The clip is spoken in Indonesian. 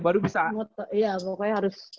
baru bisa iya pokoknya harus